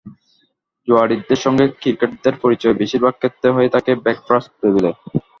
জুয়াড়িদের সঙ্গে ক্রিকেটারদের পরিচয়টা বেশির ভাগ ক্ষেত্রেই হয়ে থাকে ব্রেকফাস্ট টেবিলে।